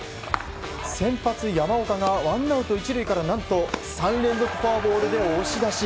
先発、山岡がワンアウト１塁から、何と３連続フォアボールで押し出し。